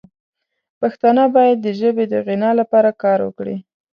پښتانه باید د ژبې د غنا لپاره کار وکړي.